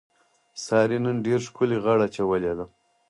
سارې نن ډېره ښکلې غاړه اچولې ده.